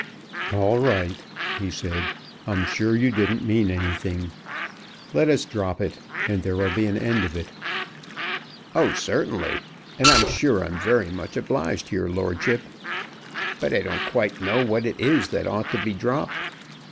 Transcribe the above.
"All right," he said; "I'm sure you didn't mean anything. Let us drop it, and there will be an end of it." "Oh, certainly; and I'm sure I'm very much obliged to your lordship. But I don't quite know what it is that ought to be dropped.